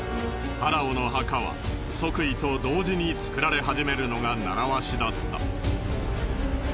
ファラオの墓は即位と同時に造られ始めるのがならわしだった。